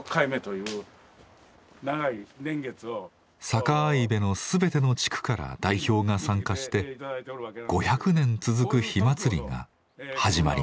阪合部の全ての地区から代表が参加して５００年続く火祭りが始まります。